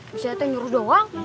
bisa teh nyuruh doang